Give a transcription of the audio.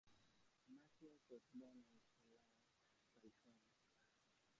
Mathias was born in Tulare, California.